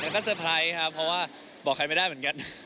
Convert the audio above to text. แล้วก็เตอร์ไพรส์ครับเพราะว่าบอกใครไม่ได้เหมือนกัน